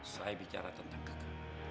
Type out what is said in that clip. saya bicara tentang keke